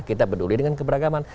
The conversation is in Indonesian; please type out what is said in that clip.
kita peduli dengan keberagaman